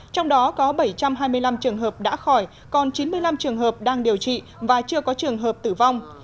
trong đó có bảy trăm hai mươi năm trường hợp đã khỏi còn chín mươi năm trường hợp đang điều trị và chưa có trường hợp tử vong